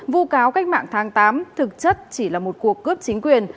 vụ cáo cách mạng tháng tám thực chất chỉ là một cuộc cướp chính quyền